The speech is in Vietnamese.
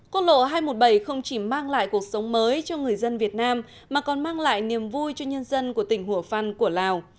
quốc lộ hai trăm một mươi bảy không chỉ mang lại cuộc sống mới cho người dân việt nam mà còn mang lại niềm vui cho nhân dân của tỉnh hủa phăn của lào